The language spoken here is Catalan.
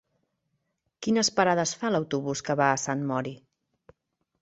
Quines parades fa l'autobús que va a Sant Mori?